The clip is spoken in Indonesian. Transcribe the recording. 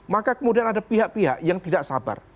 maka kemudian ada pihak pihak yang tidak sabar